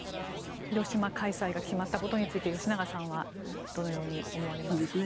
広島開催が決まったことについて吉永さんはどのように思われますか。